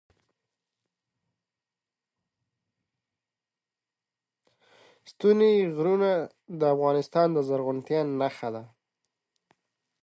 ستوني غرونه د افغانستان د زرغونتیا نښه ده.